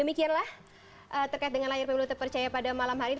demikianlah terkait dengan layar pemilu terpercaya pada malam hari ini